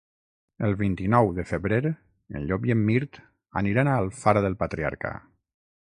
El vint-i-nou de febrer en Llop i en Mirt aniran a Alfara del Patriarca.